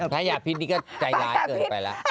ถ้ายาพิษนี่ก็ใจร้ายเกินไปแล้ว